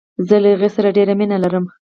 زه له هغې سره ډیره مینه لرم.